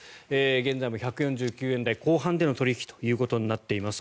現在も１４９円台後半での取引となっています。